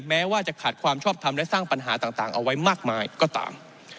แม้ว่าจะขาดความชอบทำและสร้างปัญหาต่างเอาไว้มากมายก็ตาม